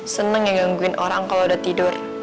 seneng ya gangguin orang kalau udah tidur